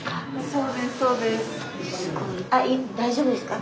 大丈夫ですか？